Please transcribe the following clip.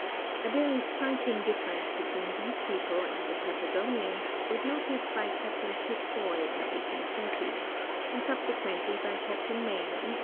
A very striking difference between these people and the Pata gonians was noticed by Captain Fitzroy in 1830, and subse quently by Captain Mayne in 1867.